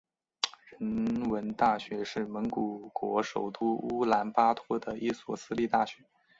人文大学是蒙古国首都乌兰巴托的一所私立大学。